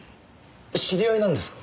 知り合いなんですか？